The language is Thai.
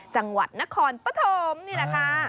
จังหวัดนครปฐมนี่แหละค่ะ